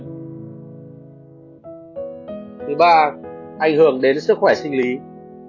thứ ba ảnh hưởng đến sức khỏe sinh nhật